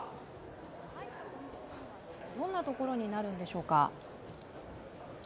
会議のポイントはどんなところになるんでしょうか？